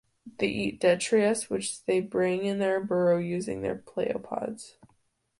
They eat detritus which they bring into their burrow using their pleopods.